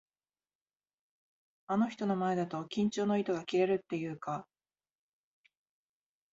あの人の前だと、緊張の糸が切れるっていうか。